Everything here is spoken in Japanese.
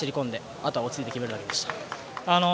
あとは落ち着いて決めるだけでした。